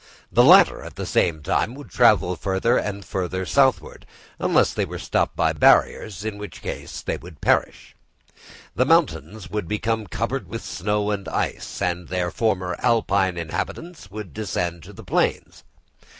The latter, at the same time would travel further and further southward, unless they were stopped by barriers, in which case they would perish. The mountains would become covered with snow and ice, and their former Alpine inhabitants would descend to the plains.